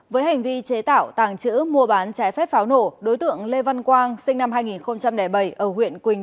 với hành vi chế tạo tàng trữ mua bán trái phép pháo nổ đối tượng lê văn quang sinh năm hai nghìn bảy ở huyện quỳnh